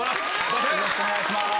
よろしくお願いします。